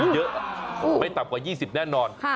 เยอะไม่ต่ำกว่า๒๐แน่นอน